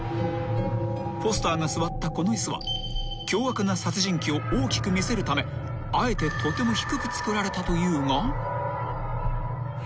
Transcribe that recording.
［フォスターが座ったこの椅子は凶悪な殺人鬼を大きく見せるためあえてとても低く作られたというが］